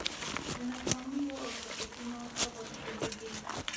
د ناکامیو او سقوطونو سبب شوي دي.